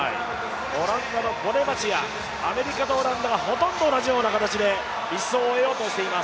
オランダのボネバチア、アメリカとオランダがほとんど同じような形で１走を終えようとしています。